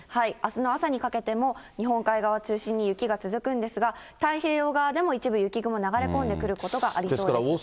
あすの朝にかけても、日本海側中心に雪が続くんですが、太平洋側でも一部雪雲が流れ込んでくることがありそうです。